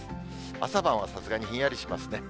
朝晩はさすがにひんやりしますね。